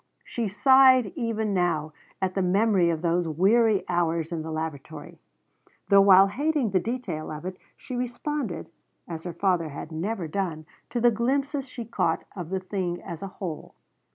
She sighed even now at the memory of those weary hours in the laboratory, though while hating the detail of it, she responded, as her father had never done, to the glimpses she caught of the thing as a whole.